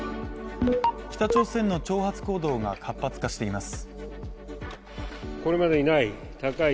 北朝鮮の挑発行動が活発化しています。